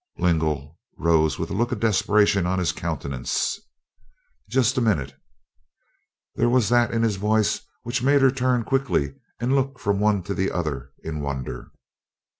Lingle rose with a look of desperation on his countenance. "Just a minute." There was that in his voice which made her turn quickly and look from one to the other in wonder.